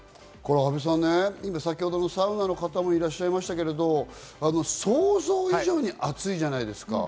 阿部さん、先ほどのサウナの方もいらっしゃいましたが、想像以上に暑いじゃないですか。